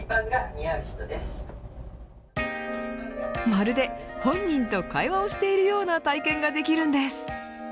まるで本人と会話をしているような体験ができるんです。